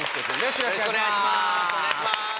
よろしくお願いします。